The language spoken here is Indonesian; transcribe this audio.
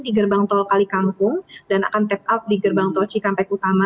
di gerbang tol kalikangkung dan akan tap out di gerbang tol cikampek utama